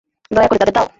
দয়া করে তাদের দাও!